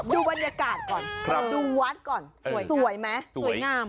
ดูบรรยากาศก่อนดูวัดก่อนสวยไหมสวยงาม